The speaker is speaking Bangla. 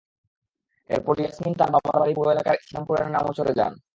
এরপর ইয়াসমিন তাঁর বাবার বাড়ি পৌর এলাকার ইসলামপুরের নামোচরে চলে যান।